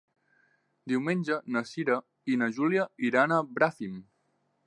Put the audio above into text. Diumenge na Cira i na Júlia iran a Bràfim.